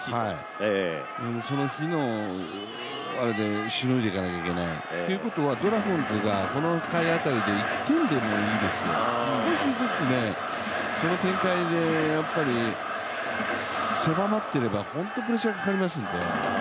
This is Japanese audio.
その日のあれで、しのいでいかなければならない。ということはドラゴンズがこの回あたりで１点でもいいですよ、少しずつその展開でやっぱり狭まっていれば本当にプレッシャーがかかりますんで。